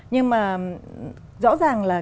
nhưng rõ ràng